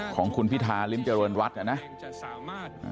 ของคุณพิทาริมจรวรรณวัฒน์นะนะ